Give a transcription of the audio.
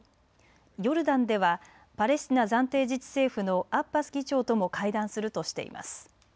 ヨルダンではパレスチナ暫定自治政府のアッバス議長とも会談するとしています。